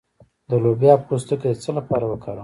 د لوبیا پوستکی د څه لپاره وکاروم؟